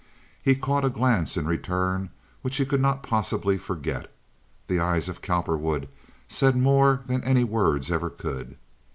He caught a glance in return which he could not possibly forget. The eyes of Cowperwood said more than any words ever could.